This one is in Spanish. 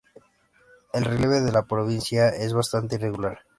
El relieve de la provincia es bastante irregular.